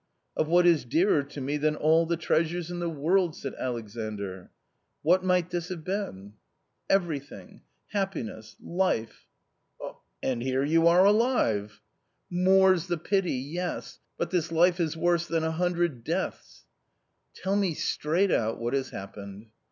" Of what is dearer to me than all the treasures in the world," said Alexandr. " What might this have been ?"" Everything — happiness, life." " Here you are alive !" •x A COMMON STORY 131 " More's the pity — yes ! But this life is worse than a hundred deaths." 11 Tell me straight out what has happened."